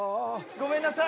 ごめんなさい。